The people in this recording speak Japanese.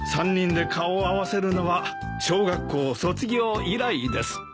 ３人で顔を合わせるのは小学校卒業以来です。